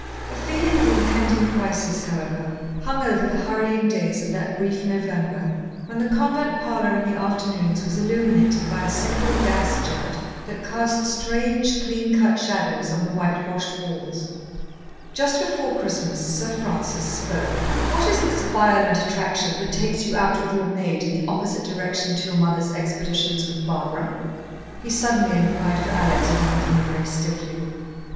A feeling of impending crisis, however, hung over the hurrying days of that brief November, when the convent parlour in the afternoons was illuminated by a single gas jet that cast strange, clean cut shadows on the white washed walls. Just before Christmas Sir Francis spoke: "What is this violent attraction that takes you out with your maid in the opposite direction to your mother's expeditions with Barbara?" he suddenly inquired of Alex one evening, very stiffly.